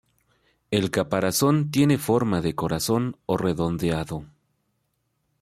El caparazón tiene forma de corazón o redondeado.